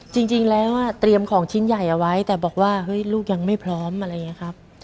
จริงแล้วเตรียมของชิ้นใหญ่เอาไว้แต่บอกว่าเฮ้ยลูกยังไม่พร้อมอะไรอย่างนี้ครับ